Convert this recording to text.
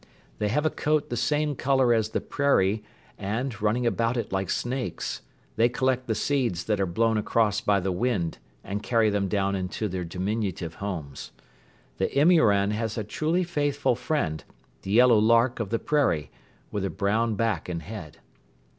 They have a coat the same color as the prairie and, running about it like snakes, they collect the seeds that are blown across by the wind and carry them down into their diminutive homes. The imouran has a truly faithful friend, the yellow lark of the prairie with a brown back and head.